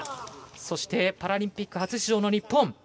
そしてパラリンピック初出場の日本。